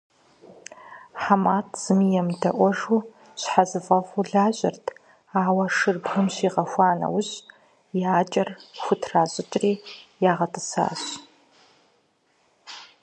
ХьэматӀ зыми емыдэӀуэжу щхьэзыфӀэфӀу лажьэрт, ауэ шыр бгым щигъэхуа нэужь, и акӀэр хутращыкӀри ягъэтӀысащ.